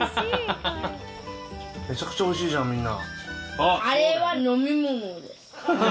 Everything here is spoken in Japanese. めちゃくちゃ美味しいじゃんみんな。